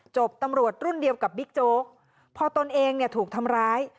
ตำรวจรุ่นเดียวกับบิ๊กโจ๊กพอตนเองเนี่ยถูกทำร้าย